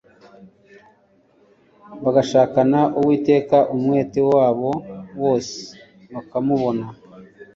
bagashakana Uwiteka umwete wabo wose bakamubona